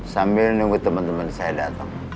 sambil nunggu temen temen saya datang